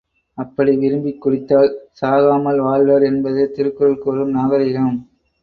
அப்படி விரும்பிக் குடித்தால் சாகாமல் வாழ்வர் என்பது திருக்குறள் கூறும் நாகரிகம்.